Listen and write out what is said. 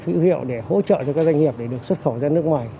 hữu hiệu để hỗ trợ cho các doanh nghiệp để được xuất khẩu ra nước ngoài